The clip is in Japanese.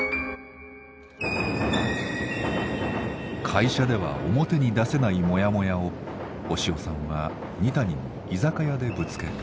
会社では表に出せないもやもやを押尾さんは二谷に居酒屋でぶつける。